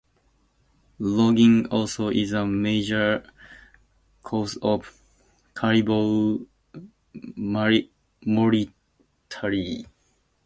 Logging also is a major cause of caribou mortality.